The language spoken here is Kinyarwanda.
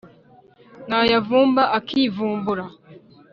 Nayavumba akivumbura